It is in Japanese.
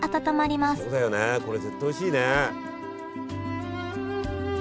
これ絶対おいしいね！